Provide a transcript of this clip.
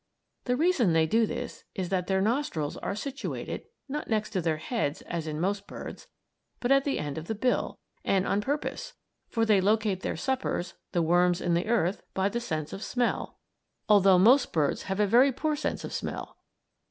The reason they do this is that their nostrils are situated, not next to their heads, as in most birds, but at the end of the bill and on purpose; for they locate their suppers, the worms in the earth, by the sense of smell, although most birds have a very poor sense of smell.